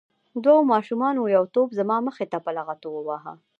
دوو ماشومانو یو توپ زما مخې ته په لغتو وواهه.